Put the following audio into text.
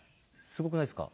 すごくないですか？